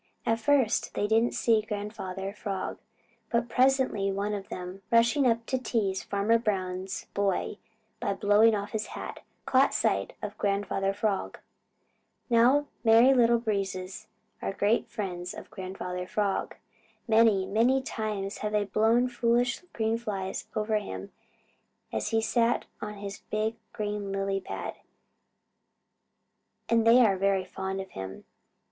At first they didn't see Grandfather Frog, but presently one of them, rushing up to tease Farmer Brown's boy by blowing off his hat, caught sight of Grandfather Frog. Now the Merry Little Breezes are great friends of Grandfather Frog. Many, many times they have blown foolish green flies over to him as he sat on his big green lily pad, and they are very fond of him.